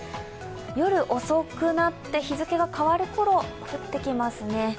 夜遅くなって日付が変わる頃、降ってきますね。